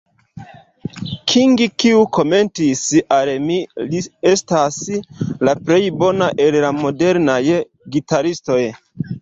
King, kiu komentis, "al mi li estas la plej bona el la modernaj gitaristoj.